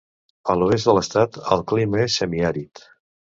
A l'oest de l'estat, el clima és semiàrid.